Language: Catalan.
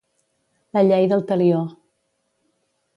La llei del Talió.